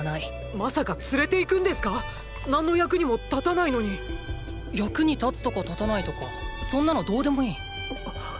まさか連れていくんですか⁉何の役にも立たないのに⁉役に立つとか立たないとかそんなのどうでもいい。っ！